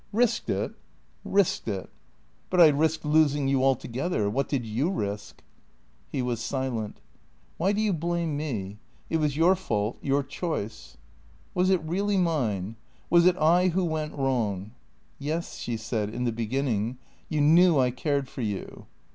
"Eisked it?" " Eisked it." " But I risked losing you altogether. What did you risk? " He was silent. "Why do you blame me? It was your fault, your choice." " Was it really mine ? Was it I who went wrong ?"" Yes/' she said. " In the beginning. You knew I cared for you."